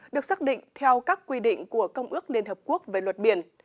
được xác định theo các quy định của công ước liên hợp quốc về luật biển